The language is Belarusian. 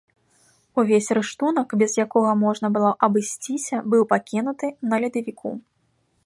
Увесь рыштунак, без якога можна было абысціся, быў пакінуты на ледавіку.